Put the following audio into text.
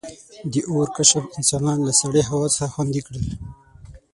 • د اور کشف انسانان له سړې هوا څخه خوندي کړل.